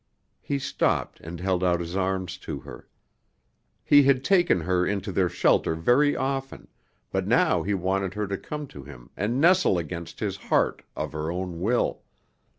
He stopped and held out his arms to her. He had taken her into their shelter very often, but now he wanted her to come to him and nestle against his heart of her own will.